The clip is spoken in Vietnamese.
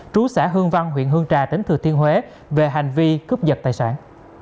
trú xã hương văn huyện hương trà tỉnh thừa thiên huế về hành vi cướp giật tài sản